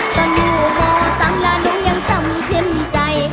ตอนอยู่หมอสางลากล้างยังซ้ำเทียนใจ